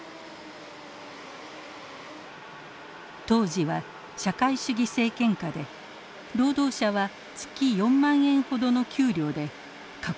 当時は社会主義政権下で労働者は月４万円ほどの給料で過酷な労働を強いられました。